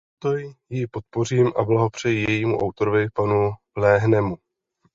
Proto ji podpořím a blahopřeji jejímu autorovi, panu Lehnemu.